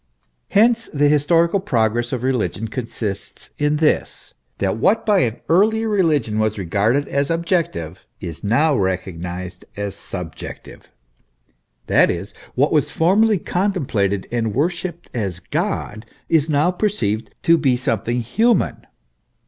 Hence the historical progress of religion consists in this : that what by an earlier religion was regarded as objective, is now recognised as subjective ; that is, what was formerly con templated and worshipped as God is now perceived to be something human.